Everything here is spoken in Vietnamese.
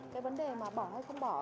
cái vấn đề mà bỏ hay không bỏ